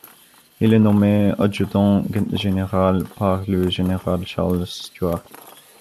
Il est nommé adjudant-général par le général Charles Stuart.